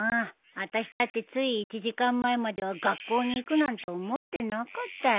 あたしだってつい１時間前までは学校に行くなんて思ってなかったよ。